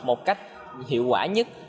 một cách hiệu quả nhất